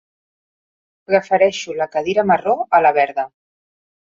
Prefereixo la cadira marró a la verda.